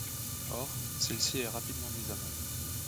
Or, celle-ci est rapidement mise à mal.